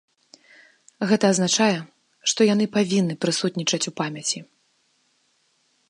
Гэта азначае, што яны павінны прысутнічаць у памяці.